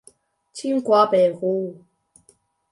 曙光橋